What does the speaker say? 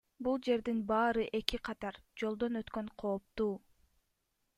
Бул жердин баары эки катар, жолдон өткөн кооптуу.